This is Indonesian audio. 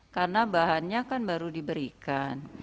karena bahannya kan baru diberikan